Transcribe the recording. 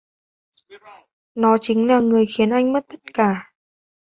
nó chính là người khiến cho anh mất tất cả